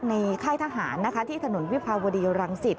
ค่ายทหารนะคะที่ถนนวิภาวดีรังสิต